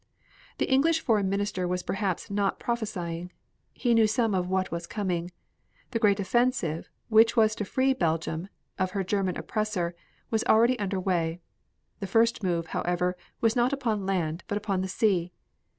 The English Foreign Minister was perhaps not prophesying. He knew something of what was coming. The Great Offensive which was to free Belgium of her German oppressor was already under way. The first move, however, was not upon land, but upon the sea.